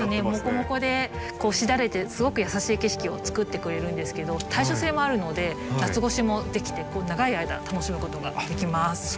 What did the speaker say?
もこもこでこうしだれてすごく優しい景色をつくってくれるんですけど耐暑性もあるので夏越しもできて長い間楽しむことができます。